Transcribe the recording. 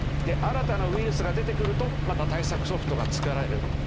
で新たなウイルスが出てくるとまた対策ソフトが作られる。